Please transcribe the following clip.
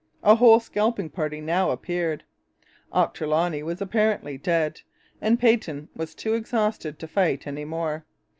A whole scalping party now appeared. Ochterloney was apparently dead, and Peyton was too exhausted to fight any more.